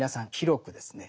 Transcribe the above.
広くですね